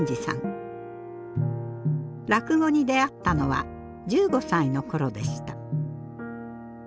落語に出会ったのは１５歳の頃でした。